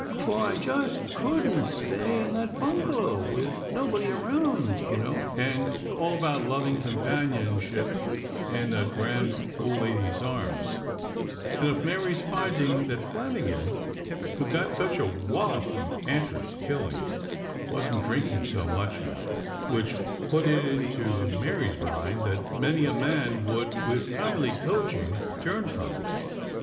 "... for I just couldn't stay in that bungalow, with nobody around, you know." And all about loving companionship in that grand old lady's arms; and of Mary's finding that Flanagan, who got such a "wallop" from Antor's killing, wasn't drinking so much, now; which put it into Mary's mind that many a man would, with kindly coaching, turn from it.